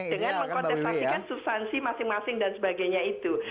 dengan mengkontestasikan substansi masing masing dan sebagainya itu